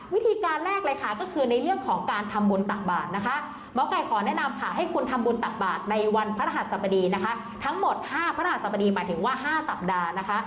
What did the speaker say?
วิธีการแรกเลยค่ะก็คือในเรื่องของการทำบุญตักบาทนะคะหมอไก่ขอแนะนำค่ะให้คุณทำบุญตักบาทในวันพระรหัสสบดีนะคะทั้งหมด๕พระหัสบดีหมายถึงว่า๕สัปดาห์นะคะ